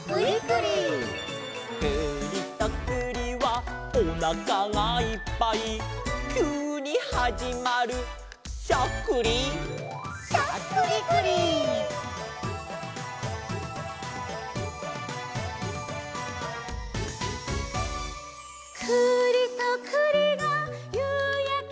「くりとくりはおなかがいっぱい」「きゅうにはじまるしゃっくり」「」「くりとくりがゆうやけみながら」